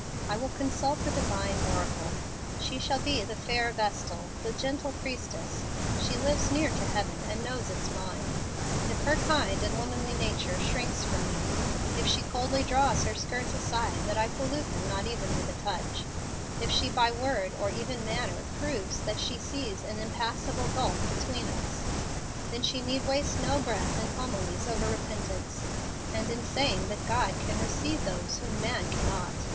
I will consult the divine oracle. She shall be the fair vestal, the gentle priestess. She lives near to heaven, and knows its mind. If her kind and womanly nature shrinks from me, if she coldly draws her skirts aside that I pollute them not even with a touch if she by word or even manner proves that she sees an impassable gulf between us then she need waste no breath in homilies over repentance and in saying that God can receive those whom man cannot.